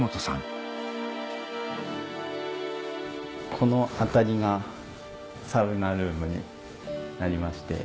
この辺りがサウナルームになりまして。